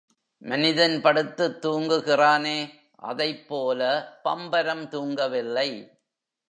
மனிதன் படுத்துத் தூங்குகிறானே அதைப்போல பம்பரம் தூங்கவில்லை.